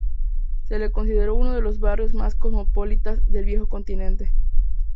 Se lo considera uno de los barrios más cosmopolitas del viejo continente.